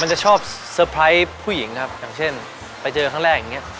จะชอบเซอร์ไพรส์ผู้หญิงครับอย่างเช่นไปเจอครั้งแรกอย่างนี้